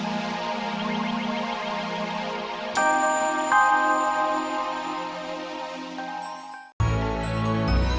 sampai jumpa lagi